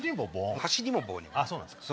そうなんすか。